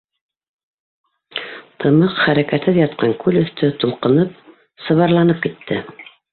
Тымыҡ, хәрәкәтһеҙ ятҡан күл өҫтө тулҡынып, сыбарланып китте.